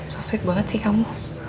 so sweet banget sih kamu